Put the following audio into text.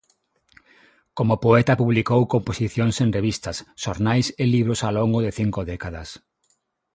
Como poeta publicou composicións en revistas, xornais e libros ao longo de cinco décadas.